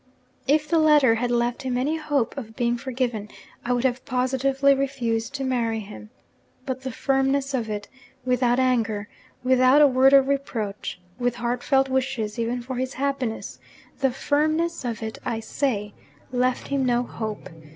If the letter had left him any hope of being forgiven, I would have positively refused to marry him. But the firmness of it without anger, without a word of reproach, with heartfelt wishes even for his happiness the firmness of it, I say, left him no hope.